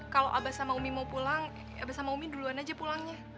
kalau abah sama umi mau pulang abah sama umi duluan aja pulangnya